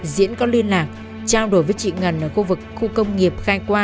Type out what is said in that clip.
diễn có liên lạc trao đổi với chị ngân ở khu vực khu công nghiệp